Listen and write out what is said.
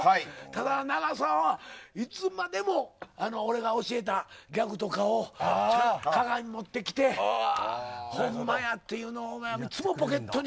ただ、長澤はいつまでも俺が教えたギャグとかをちゃんと鏡持ってきてほんまやっていうのをいつもポケットに。